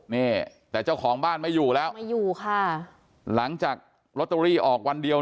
นี่แต่เจ้าของบ้านไม่อยู่แล้วไม่อยู่ค่ะหลังจากลอตเตอรี่ออกวันเดียว